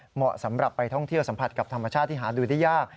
เหมาะสำหรับไปท่องเที่ยวสัมผัสกับธรรมชาติที่หาดูได้ยาก